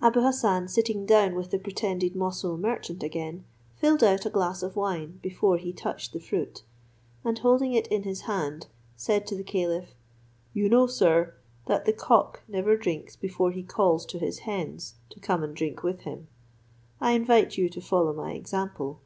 Abou Hassan sitting down with the pretended Moussul merchant again, filled out a glass of wine before he touched the fruit; and holding it in his hand, said to the caliph, "You know, sir, that the cock never drinks before he calls to his hens to come and drink with him; I invite you to follow my example.